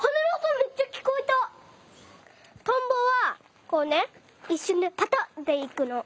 トンボはこうねいっしゅんでパタッでいくの。